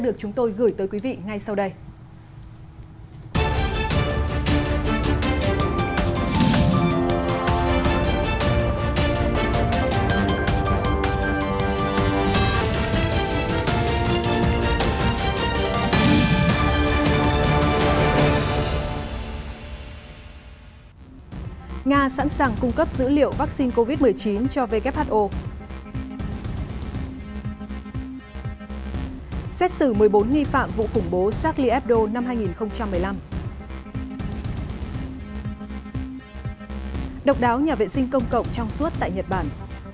độc đáo nhà vệ sinh công cộng trong suốt tại nhật bản